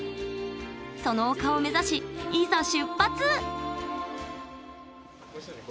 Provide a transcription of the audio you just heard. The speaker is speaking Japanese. その丘を目指しいざ出発！